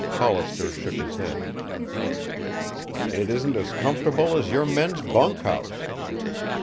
Hollister shook his head. "It isn't as comfortable as your men's bunk house.